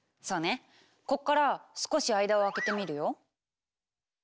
こっから少し間を空けてみるよ。